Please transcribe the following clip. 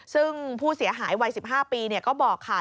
ซึ่งผู้เสียหายวัย๑๕ปีก็บอกค่ะ